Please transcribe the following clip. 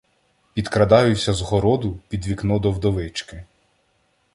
Підкрадаюся з городу під вікно до вдовички.